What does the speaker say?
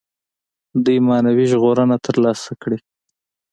دوی معنوي ژغورنه تر لاسه کړي.